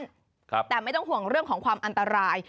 ครับแต่ไม่ต้องห่วงเรื่องของความอันตราย